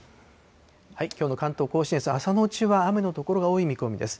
きょうの関東甲信越、朝のうちは雨の所が多い見込みです。